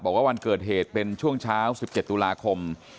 บอกว่าวันเกิดเหตุเป็นช่วงเช้า๑๗ตุลาคม